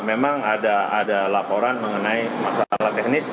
memang ada laporan mengenai masalah teknis